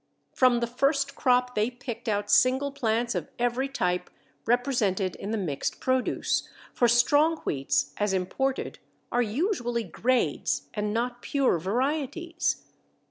From the first crop they picked out single plants of every type represented in the mixed produce, for strong wheats as imported are usually grades and not pure varieties.